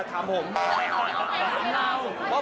เมษาบอกพักบ้าง